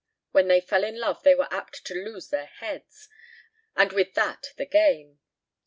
When they fell in love they were apt to lose their heads, and with that the game.